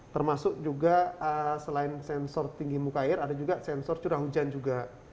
termasuk juga selain sensor tinggi muka air ada juga sensor curah hujan juga